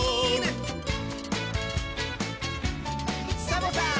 サボさん！